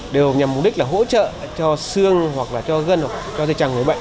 đều nhằm mục đích là hỗ trợ cho xương hoặc là cho gân hoặc là cho dây chằn